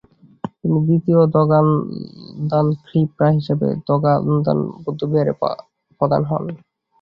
তিনি দ্বিতীয় দ্গা'-ল্দান-খ্রি-পা হিসেবে দ্গা'-ল্দান বৌদ্ধবিহারের প্রধান হন।